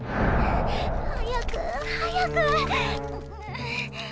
早く早く！